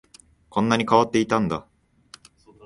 こんなに変わっていたんだ